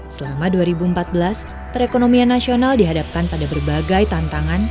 selama dua ribu empat belas perekonomian nasional dihadapkan pada berbagai tantangan